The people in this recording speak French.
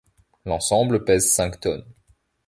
L'ensemble pèse cinq tonnes.